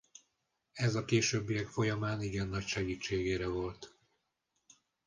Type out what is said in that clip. Ez a későbbiek folyamán igen nagy segítségére volt.